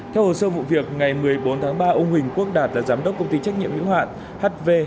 theo hồ sơ vụ việc ngày một mươi bốn tháng ba ông huỳnh quốc đạt là giám đốc công ty trách nhiệm hữu hạn hv